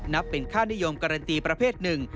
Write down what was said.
นับเป็นค่านิยมการันตีประเภทหนึ่ง